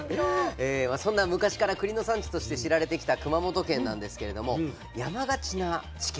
そんな昔からくりの産地として知られてきた熊本県なんですけれども山がちな地形